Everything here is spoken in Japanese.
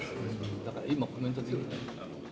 だから今はコメントしない。